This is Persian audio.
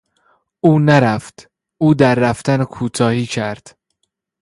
او نرفت، او در رفتن کوتاهی کرد.